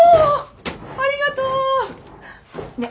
ありがとね。